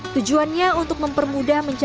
tujuannya untuk mempermudah mencapai